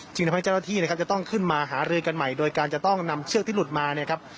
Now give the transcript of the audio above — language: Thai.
ทำให้เจ้าหน้าที่นะครับจะต้องขึ้นมาหารือกันใหม่โดยการจะต้องนำเชือกที่หลุดมาเนี่ยครับ